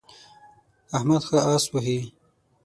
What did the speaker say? احمد ښه اس وهي.